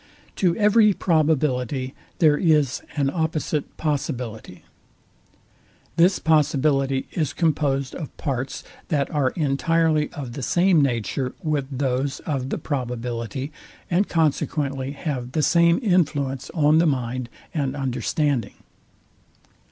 To every probability there is an opposite possibility. This possibility is composed of parts, that are entirely of the same nature with those of the probability; and consequently have the same influence on the mind and understanding.